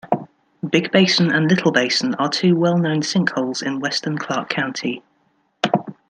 Big Basin and Little Basin are two well-known sinkholes in western Clark County.